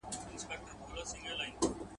هره ورځ به دي تور مار بچي څارله `